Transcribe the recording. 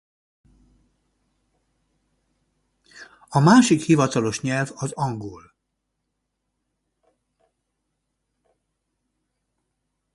A másik hivatalos nyelv az angol.